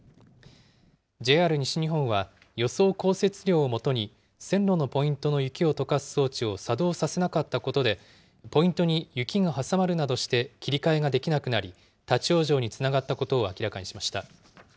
ＪＲ西日本は、予想降雪量をもとに線路のポイントの雪をとかす装置を作動させなかったことで、ポイントに雪が挟まるなどして切り替えができなくなり、立往生につながったことを明らかにしました。